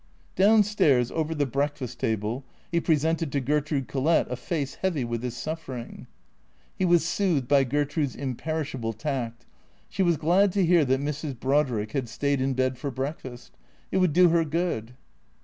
Down stairs, over the breakfast table, he presented to Ger trude Collett a face heavy with his suffering. He was soothed by Gertrude's imperishable tact. She was glad to hear that Mrs. Brodrick had stayed in bed for breakfast. It would do her good.